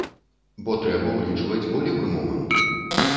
Бо трэба ўлічваць болевы момант.